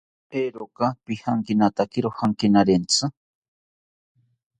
Eeeroka pijankinatakiro jankinarentzi